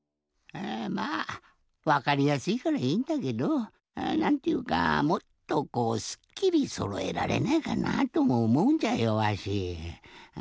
まあわかりやすいからいいんだけどなんていうかもっとこうすっきりそろえられないかなぁともおもうんじゃよわし。